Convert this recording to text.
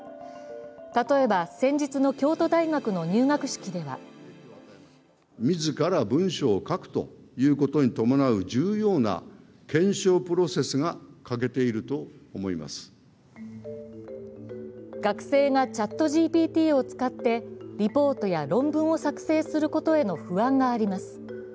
例えば先日の京都大学の入学式では学生がＣｈａｔＧＰＴを使ってリポートや論文を作成することへの不安があります。